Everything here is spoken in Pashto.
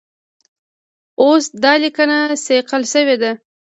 اوس دا لیکنه صیقل شوې ده.